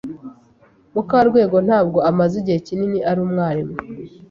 Mukarwego ntabwo amaze igihe kinini ari umwarimu.